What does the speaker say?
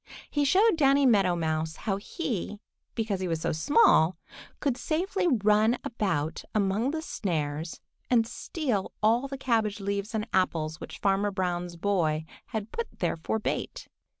He showed Danny Meadow Mouse how he, because he was so small, could safely run about among the snares and steal all the cabbage leaves and apples which Farmer Brown's boy had put there for bait.